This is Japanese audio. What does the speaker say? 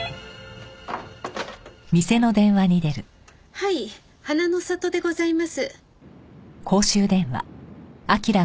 はい花の里でございます。